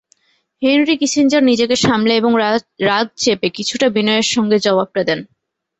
Henry Kissinger নিজেকে সামলে এবং রাগ চেপে কিছুটা বিনয়ের সঙ্গে জবাবটা দেন।